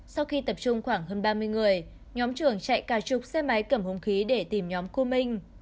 sau khi tập trung khoảng hơn ba mươi người nhóm trường chạy ca trục xe máy cầm hung khí để tìm nhóm cung minh